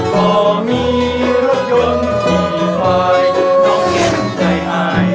ต่อมีรถยนต์ที่ไข่น้องเย็นใจอาย